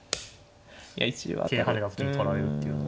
桂跳ねの時に取られるっていうのは。